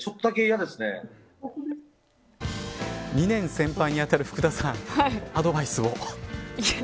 ２年先輩にあたる福田さんアドバイスを。